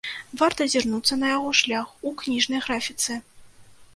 Варта азірнуцца на яго шлях у кніжнай графіцы.